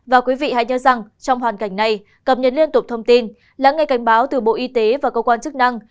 và quý vị hãy nhớ rằng trong hoàn cảnh này cập nhật liên tục thông tin lắng nghe cảnh báo từ bộ y tế và cơ quan chức năng